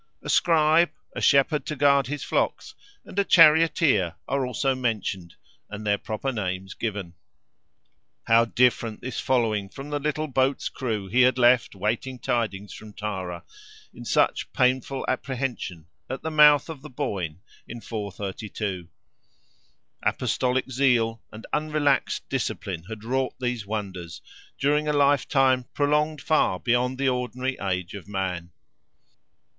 A scribe, a shepherd to guard his flocks, and a charioteer are also mentioned, and their proper names given. How different this following from the little boat's crew, he had left waiting tidings from Tara, in such painful apprehension, at the mouth of the Boyne, in 432. Apostolic zeal, and unrelaxed discipline had wrought these wonders, during a lifetime prolonged far beyond the ordinary age of man.